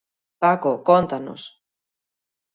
Paco, cóntanos.